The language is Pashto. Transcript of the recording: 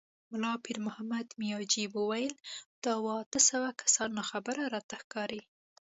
ملا پيرمحمد مياجي وويل: دا اووه، اته سوه کسان ناخبره راته ښکاري.